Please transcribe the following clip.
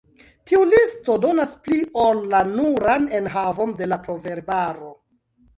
Tiu listo donas pli ol la nuran enhavon de la proverbaro.